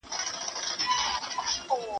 ¬ پېري ته غزنى څه شي دئ.